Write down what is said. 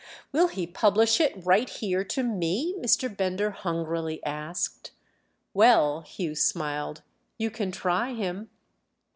"Will he publish it right here to me?" Mr. Bender hungrily asked. "Well," Hugh smiled, "you can try him."